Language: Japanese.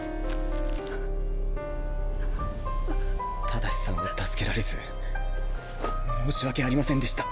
正さんを助けられず申し訳ありませんでした。